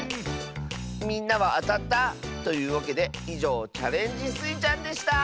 みんなはあたった？というわけでいじょう「チャレンジスイちゃん」でした！